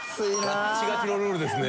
ガチガチのルールですね。